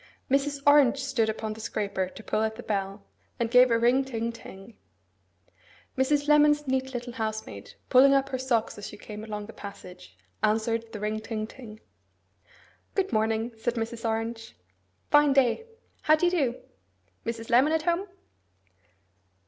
Mrs. Orange stood upon the scraper to pull at the bell, and give a ring ting ting. Mrs. Lemon's neat little housemaid, pulling up her socks as she came along the passage, answered the ring ting ting. 'Good morning,' said Mrs. Orange. 'Fine day. How do you do? Mrs. Lemon at home!